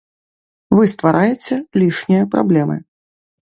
Вы ствараеце лішнія праблемы.